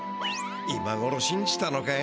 今ごろしんじたのかよ。